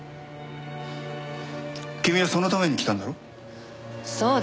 君はそのために来たんだろう？